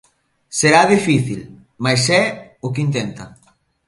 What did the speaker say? Será difícil, mais é o que intenta.